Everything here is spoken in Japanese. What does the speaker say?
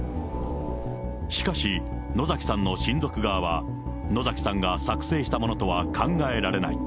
しかし、野崎さんの親族側は野崎さんが作成したものとは考えられない。